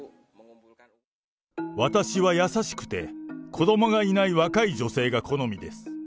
私は優しくて、子どもがいない若い女性が好みです。